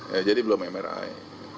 ya jadi belum mri